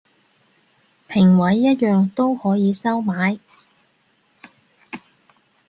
評委一樣都可以收買